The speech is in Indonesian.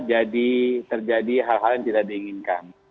jadi terjadi hal hal yang tidak diinginkan